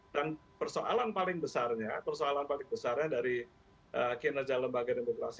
dan persoalan paling besarnya persoalan paling besarnya dari kinerja lembaga demokrasi